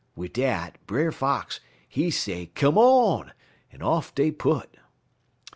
Wid dat, Brer Fox, he say come on, en off dey put.